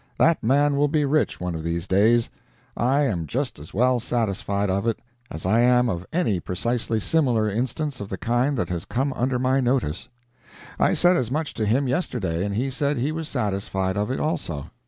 That man will be rich one of these days. I am just as well satisfied of it as I am of any precisely similar instance of the kind that has come under my notice. I said as much to him yesterday, and he said he was satisfied of it, also.